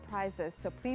kami memberikan harga pintar